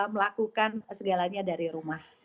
melakukan segalanya dari rumah